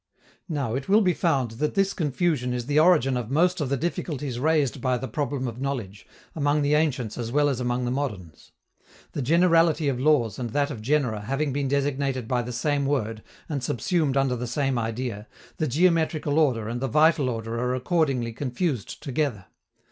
Now, it will be found that this confusion is the origin of most of the difficulties raised by the problem of knowledge, among the ancients as well as among the moderns. The generality of laws and that of genera having been designated by the same word and subsumed under the same idea, the geometrical order and the vital order are accordingly confused together.